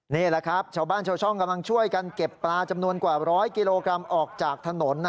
นี่แหละครับชาวบ้านชาวช่องกำลังช่วยกันเก็บปลาจำนวนกว่า๑๐๐กิโลกรัมออกจากถนน